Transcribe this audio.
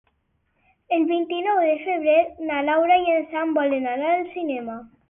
El vint-i-nou de febrer na Laura i en Sam volen anar al cinema.